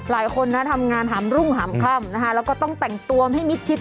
รายคนทำงานหามรุ่งหามค่ำต้องแต่งตัวให้มิดพิษ